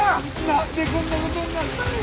なんでこんな事になったんやろう。